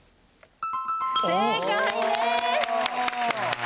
正解です！